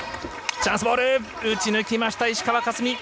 チャンスボール、打ち抜きました、石川佳純。